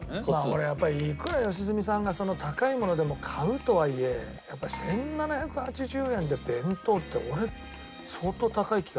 俺やっぱりいくら良純さんが高いものでも買うとはいえやっぱり１７８０円で弁当って俺相当高い気がするんだよね。